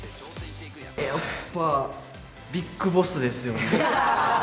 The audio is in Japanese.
やっぱビッグボスですよね。